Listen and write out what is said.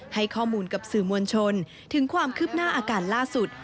ให้ข้อมูลกับสื่อมวลชนถึงความคืบหน้าอาการล่าสุด